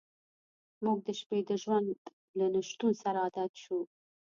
موږ د شپې د ژوند له نشتون سره عادت شو